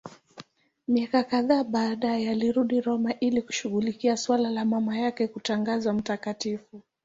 Miaka kadhaa baadaye alirudi Roma ili kushughulikia suala la mama yake kutangazwa mtakatifu.